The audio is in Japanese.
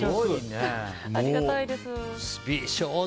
ありがたいです。